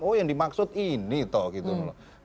oh yang dimaksud ini toh gitu loh